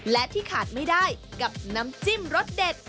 และที่ขาดไม่ได้กับน้ำจิ้มรสเด็ด